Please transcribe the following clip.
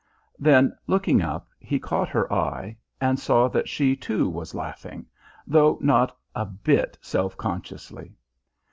Then, looking up, he caught her eye, and saw that she too was laughing, though not a bit self consciously.